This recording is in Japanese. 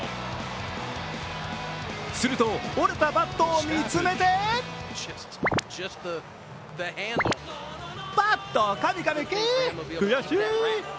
すると、折れたバットを見つめてバットをカミカミきぃー悔しい！